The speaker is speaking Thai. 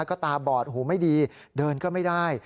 ก็ตาบอดหูไม่ดีเดินก็ไม่ได้